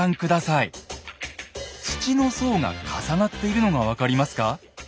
土の層が重なっているのが分かりますか？